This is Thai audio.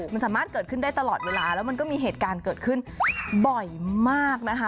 มันสามารถเกิดขึ้นได้ตลอดเวลาแล้วมันก็มีเหตุการณ์เกิดขึ้นบ่อยมากนะคะ